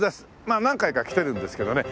まあ何回か来てるんですけどね。